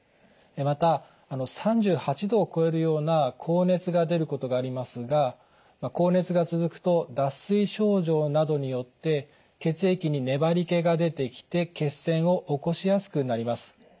また３８度を超えるような高熱が出ることがありますが高熱が続くと脱水症状などによって血液に粘りけが出てきて血栓を起こしやすくなります。